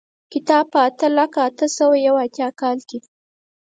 کتاب په اته لکه اته سوه یو اتیا کال کې.